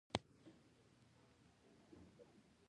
کچالو سړی مړ کوي